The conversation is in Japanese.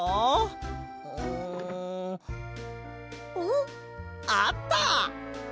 んっあった！